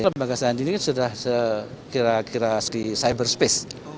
lembaga sandi ini sudah kira kira di cyberspace